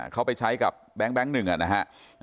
เขาไปใช้กับแบงก์แบงก์๑นะฮะ